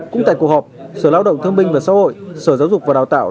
cũng tại cuộc họp sở lao động thương minh và xã hội sở giáo dục và đào tạo